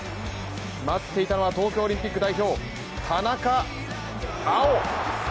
待っていたのは東京オリンピック代表田中碧